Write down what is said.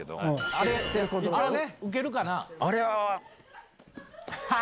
あれウケるかな？